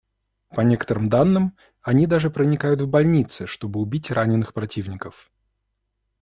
По некоторым данным, они даже проникают в больницы, чтобы убить раненых противников.